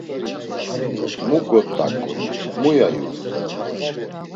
Mo got̆aǩum, muya'yu!